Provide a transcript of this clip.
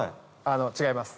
違います。